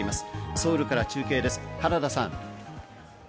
ソウルから中継です、原田さん。